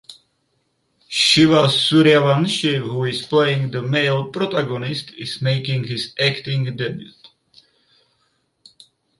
Shiva Suryavanshi who is playing the male protagonist is making his acting debut.